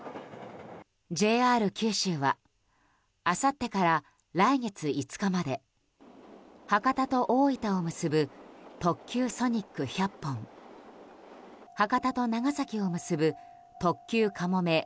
ＪＲ九州はあさってから来月５日まで博多と大分を結ぶ特急「ソニック」１００本博多と長崎を結ぶ特急「かもめ」２０